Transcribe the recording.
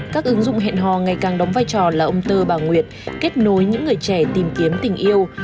các ứng dụng hẹn hò ngày càng đóng vai trò là ông tơ bà nguyệt kết nối những người trẻ tìm kiếm tình yêu